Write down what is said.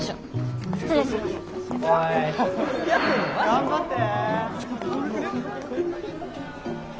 頑張って。